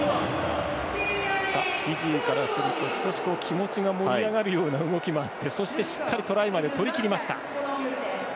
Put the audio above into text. フィジーからすると少し気持ちが盛り上がるような動きもあってそして、しっかりトライまで取りきりました。